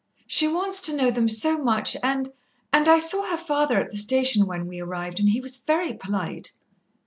"She wants to know them so much, and and I saw her father at the station when we arrived, and he was very polite."